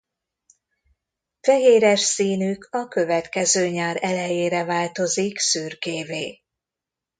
Fehéres színük a következő nyár elejére változik szürkévé.